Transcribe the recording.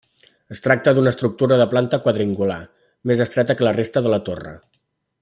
Es tracta d'una estructura de planta quadrangular, més estreta que la resta de la torre.